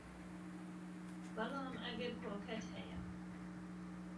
بەڵام ئەگەر کۆکەت هەیە